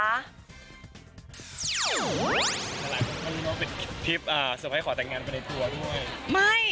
หลังก็ไม่รู้ว่าเป็นคลิปสุขให้ขอแต่งงานไปในตัวด้วย